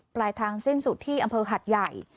ปลายทางสิ้นสุดที่อำเภอหัดใหญ่